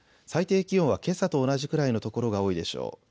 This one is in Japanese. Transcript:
最低気温はけさと同じくらいの所が多いでしょう。